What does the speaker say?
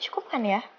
cukup kan ya